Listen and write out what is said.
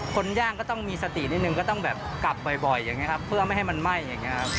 คนย่างก็ต้องมีสตินิดนึงก็ต้องแบบกลับบ่อยอย่างนี้ครับเพื่อไม่ให้มันไหม้อย่างนี้ครับ